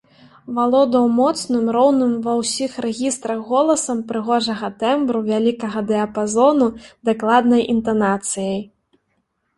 Валодаў моцным, роўным ва ўсіх рэгістрах голасам прыгожага тэмбру вялікага дыяпазону, дакладнай інтанацыяй.